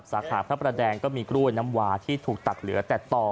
สาขาพระประแดงก็มีกล้วยน้ำวาที่ถูกตัดเหลือแต่ต่อ